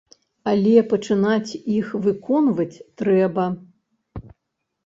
Але пачынаць іх выконваць трэба.